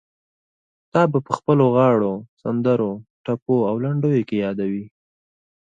تا به په خپلو غاړو، سندرو، ټپو او لنډيو کې يادوي.